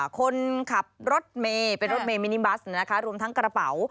คนขับรถเมย์เป็นรถเมมินิบัสนะคะรวมทั้งกระเป๋า